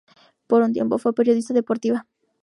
Por un tiempo fue periodista deportiva.